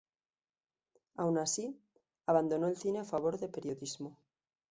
Aun así, abandonó el cine a favor de periodismo.